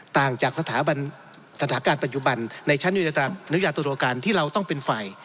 ต่างจากสถาบันสถานการณ์ปัจจุบันในชั้นอนุญาตุรการที่เราต้องเป็นฝ่าย